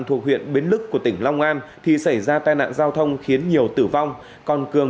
thuộc huyện bến lức của tỉnh long an thì xảy ra tai nạn giao thông khiến nhiều tử vong còn cường